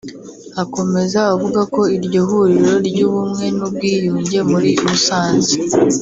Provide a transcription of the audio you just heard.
Akomeza avuga ko iryo huriro ry’ubumwe n’ubwiyunge muri Musanze